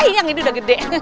iya yang ini udah gede